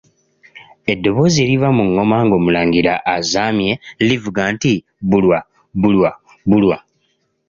Eddoboozi eriva mu Ŋŋoma nga Omulangira azaamye livuga nti Bulwa, Bulwa, Bulwa.